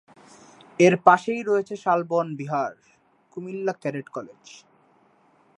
এর পাশেই রয়েছে শালবন বিহার, কুমিল্লা ক্যাডেট কলেজ।